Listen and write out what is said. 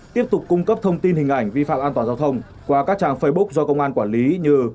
tiếp tục cung cấp thông tin hình ảnh vi phạm an toàn giao thông qua các trang facebook do công an quản lý như